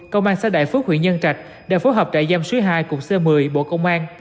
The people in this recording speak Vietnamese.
công an xã đại phước huyện nhân trạch đã phối hợp trại giam số hai cục c một mươi bộ công an